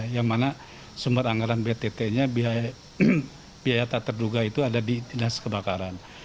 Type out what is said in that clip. yang mana sumber anggaran btt nya biaya tak terduga itu ada di dinas kebakaran